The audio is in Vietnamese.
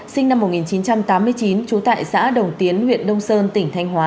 sinh năm một nghìn chín trăm tám mươi chín trú tại xã đồng tiến huyện đông sơn tỉnh thanh hóa